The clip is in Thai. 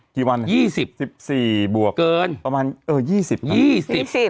กี่วันยี่สิบสิบสี่บวกเกินประมาณเออยี่สิบยี่สิบสิบ